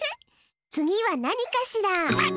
つぎはなにかしら？